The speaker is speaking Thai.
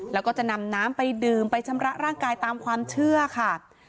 แล้วก็จะนำน้ำไปดื่มไปชำระร่างกายตามความเชื่อค่ะ